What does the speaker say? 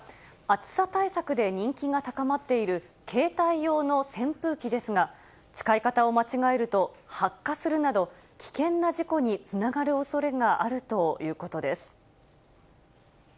暑さ対策で人気が高まっている携帯用の扇風機ですが、使い方を間違えると発火するなど、危険な事故につながるおそれがあるということです。